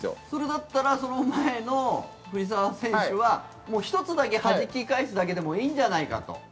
それだったらその前の藤澤選手は１つだけ、はじき返すだけでもいいんじゃないかと。